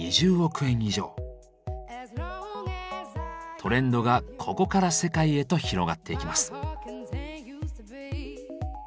トレンドがここから世界へと広がっていきます。